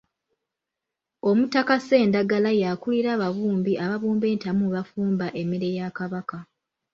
Omutaka Ssendagala ya kulira ababumbi ababumba entamu mwe bafumba emmere ya Kabaka.